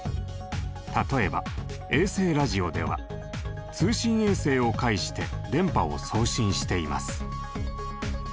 例えば衛星ラジオでは通信衛星を介して電波を送信しています。